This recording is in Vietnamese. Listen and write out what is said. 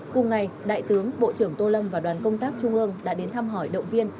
cùng ngày đại tướng bộ trưởng tô lâm và đoàn công tác trung ương đã đến thăm hỏi động viên